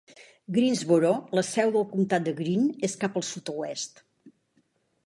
Greensboro, la seu del comtat de Greene, és cap al sud-oest.